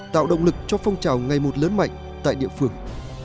tạo động lực cho phong trào ngày một lớn mạnh tại địa phương